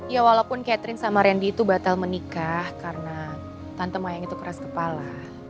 ya walaupun catherine sama randy itu batal menikah karena tante mayang itu keras kepala